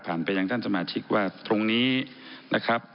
ไปยังท่านสมาชิกว่าตรงนี้นะครับ